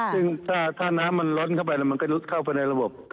ซึ่งถ้าน้ำมันล้นเข้าไปแล้วมันก็ลุดเข้าไปในระบบ